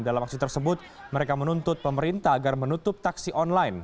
dalam aksi tersebut mereka menuntut pemerintah agar menutup taksi online